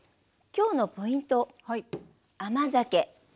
きょうのポイント甘酒。